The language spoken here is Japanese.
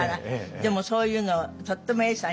でもそういうのをとっても永さん